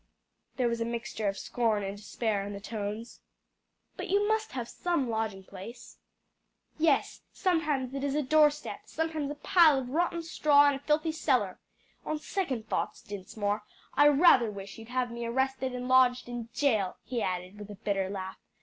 There was a mixture of scorn and despair in the tones. "But you must have some lodging place?" "Yes, sometimes it is a door step, sometimes a pile of rotten straw in a filthy cellar. On second thoughts, Dinsmore, I rather wish you'd have me arrested and lodged in jail," he added with a bitter laugh.